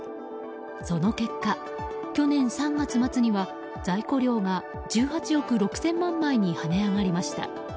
その結果、去年３月末には在庫量が１８億６０００万枚に跳ね上がりました。